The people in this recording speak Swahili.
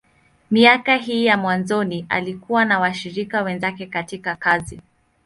Miaka hii ya mwanzoni, alikuwa na washirika wenzake katika kazi.